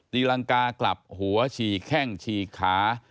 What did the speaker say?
ตีลังกากลับหัวชีแข้งชีขา